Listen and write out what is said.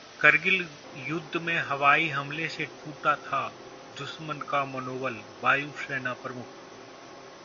करगिल युद्ध में हवाई हमले से टूटा था दुश्मन का मनोबलः वायु सेना प्रमुख